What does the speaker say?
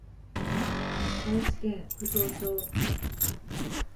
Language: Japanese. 愛知県扶桑町